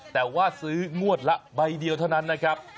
แต่ว่าซื้องวดละใบเดียวเท่านั้นนะครับ